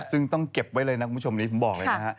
ซึ่งต้องเก็บไว้เลยนะคุณผู้ชมนี้ผมบอกเลยนะฮะ